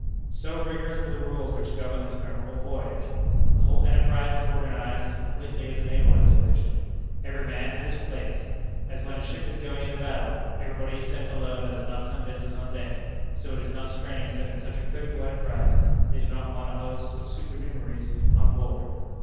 So rigorous were the rules which governed this memorable voyage. The whole enterprise was organized as completely as a naval expedition. Every man had his place. As when a ship is going into battle, everybody is sent below that has not some business on deck, so it is not strange that in such a critical enterprise they did not want a host of supernumeraries on board.